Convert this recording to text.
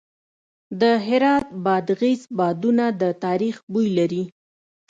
د هرات بادغیس بادونه د تاریخ بوی لري.